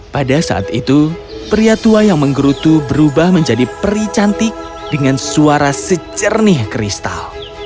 pada saat itu pria tua yang menggerutu berubah menjadi peri cantik dengan suara secernih kristal